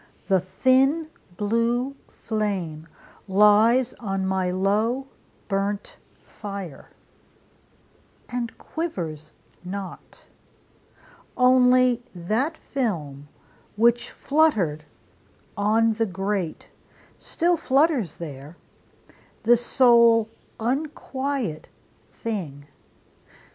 the thin blue flame Lies on my low burnt fire, and quivers not; Only that film, which fluttered on the grate, Still flutters there, the sole unquiet thing.